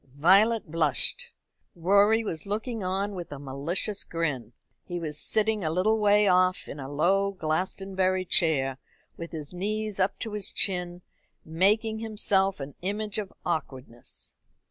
Violet blushed. Rorie was looking on with a malicious grin. He was sitting a little way off in a low Glastonbury chair, with his knees up to his chin, making himself an image of awkwardness.